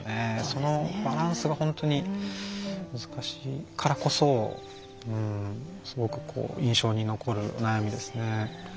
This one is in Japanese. そのバランスが本当に難しいからこそすごく印象に残る悩みでしたね。